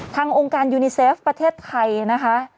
องค์การยูนิเซฟประเทศไทยนะคะ